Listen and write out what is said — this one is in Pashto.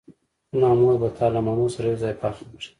زما مور به تا له مڼو سره یوځای پاخه کړي